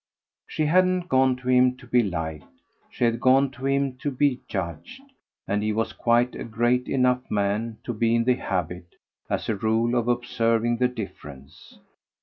She hadn't gone to him to be liked, she had gone to him to be judged; and he was quite a great enough man to be in the habit, as a rule, of observing the difference.